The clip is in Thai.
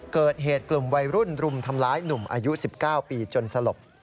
เกิดเหตุกลุ่มวัยรุ่นรุมทำร้ายหนุ่มอายุ๑๙ปีจนสลบ